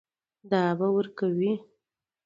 دا به ورکوې.